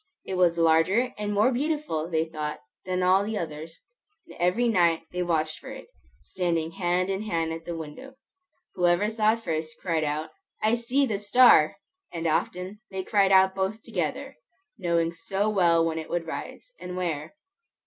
It was larger and more beautiful, they thought, than all the others, and every night they watched for it, standing hand in hand at the window. Whoever saw it first, cried out, "I see the star!" And often they cried out both together, knowing so well when it would rise, and where.